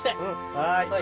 はい。